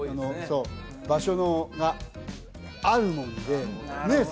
そう場所があるもんでねえ？